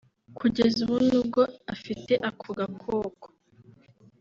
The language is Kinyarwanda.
Kugeza ubu n’ubwo afite ako gakoko